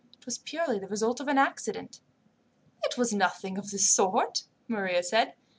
It was purely the result of an accident." "It was nothing of the sort," Maria said.